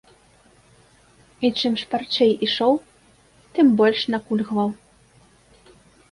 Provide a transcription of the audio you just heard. І чым шпарчэй ішоў, тым больш накульгваў.